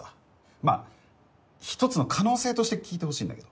まあ１つの可能性として聞いてほしいんだけど。